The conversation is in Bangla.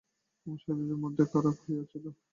আমার শরীর মধ্যে বড় খারাপ হইয়াছিল।